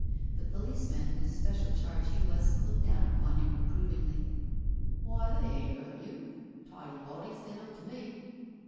The policeman whose special charge he was looked down upon him reprovingly. •* Why, they ain't 'urt you — tidy bodies they look to me."